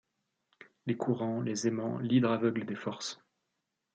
Les courants, les aimants, l’hydre aveugle des forces